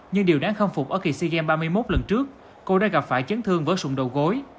nhưng điều đáng khâm phục ở kỳ sea games ba mươi một lần trước cô đã gặp phải chấn thương vỡ sụng đầu gối